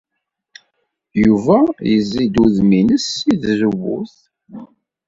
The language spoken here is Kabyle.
Yuba yezzi-d udem-nnes seg tzewwut.